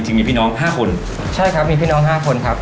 จริงมีพี่น้องห้าคนใช่ครับมีพี่น้องห้าคนครับ